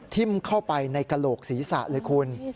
ทิ้มเข้าไปในกระโหลกศีรษะเลยคุณ